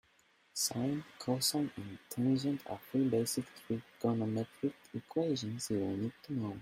Sine, cosine and tangent are three basic trigonometric equations you'll need to know.